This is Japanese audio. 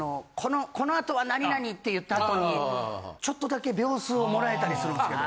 この後は何々って言った後にちょっとだけ秒数をもらえたりするんですけど。